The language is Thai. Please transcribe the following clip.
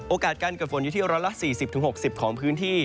โอกาสการเกิดฝนอยู่ที่ร้อนละ๔๐๖๐ของพื้นที่